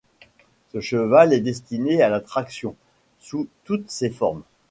Ce cheval est destiné à la traction, sous toutes ses formes.